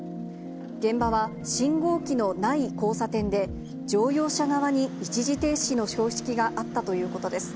現場は信号機のない交差点で、乗用車側に一時停止の標識があったということです。